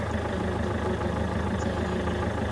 تنور د کور دننه هم ځایېږي